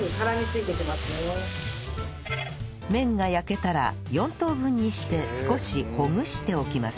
麺が焼けたら４等分にして少しほぐしておきます